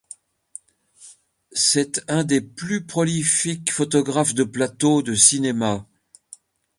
C'est un des plus prolifiques photographes de plateaux de cinéma.